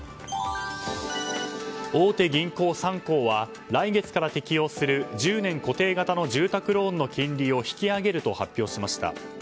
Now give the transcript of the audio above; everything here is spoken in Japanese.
大手銀行３行は来月から適用する１０年固定型の住宅ローンの金利を引き上げると発表しました。